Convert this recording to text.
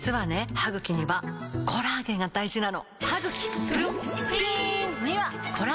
歯ぐきにはコラーゲンが大事なの！